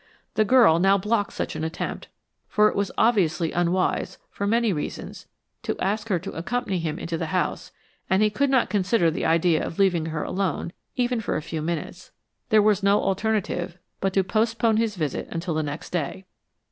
The girl now blocked such an attempt, for it was obviously unwise, for many reasons, to ask her to accompany him into the house; and he could not consider the idea of leaving her alone, even for a few minutes. There was no alternative but to postpone his visit until the next day.